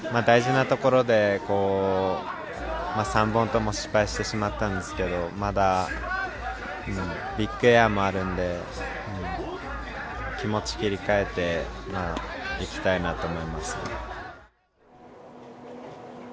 大事なところで３本とも失敗してしまったんですけど、まだビッグエアもあるので、気持ちを切り替えていきたいなと思います。